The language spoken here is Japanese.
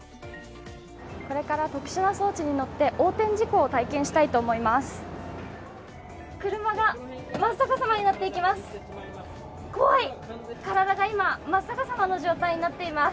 これから特殊な装置に乗って、横転事故を体験したいと思います。